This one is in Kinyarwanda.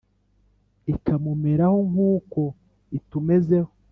ikamumeraho nk’uko itumezeho